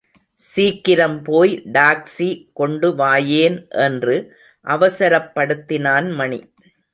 சீக்கிரம் போய் டாக்சி கொண்டு வாயேன் என்று அவசரப்படுத்தினான் மணி.